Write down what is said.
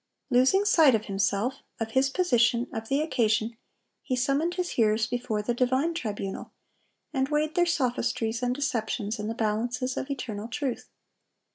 Losing sight of himself, of his position, of the occasion, he summoned his hearers before the divine tribunal, and weighed their sophistries and deceptions in the balances of eternal truth.